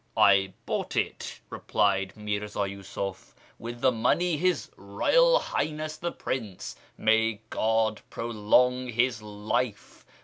" I bought it," replied Mirzii Yiisuf, " with the money His Eoyal Highness the Prince (may God prolong his life